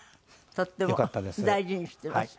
とっても大事にしてます。